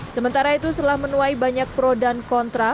sementara itu setelah menuai banyak pro dan kontra